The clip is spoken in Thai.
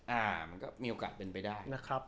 มันก็มีโอกาสเป็นไปได้